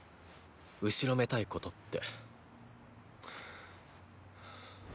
後ろめたいことって。